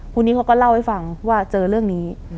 พรุ่งนี้เขาก็เล่าให้ฟังว่าเจอเรื่องนี้